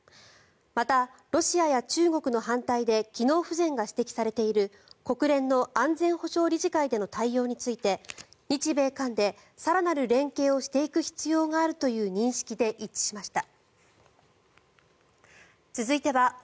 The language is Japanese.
また、ロシアや中国の反対で機能不全が指摘されている国連の安全保障理事会での対応について日米韓で更なる連携をしていく必要があるという認識で一致しました。